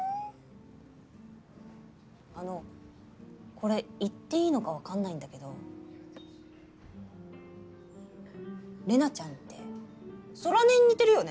あのこれ言っていいのか分かんないんだけど玲奈ちゃんって空音に似てるよね